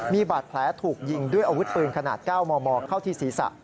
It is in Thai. มีบาดแผลถูกยิงด้วยอาวุธปืนขนาด๙มมเข้าที่ศีรษะ